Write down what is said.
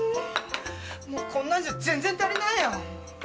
もうこんなんじゃ全然足りないよ！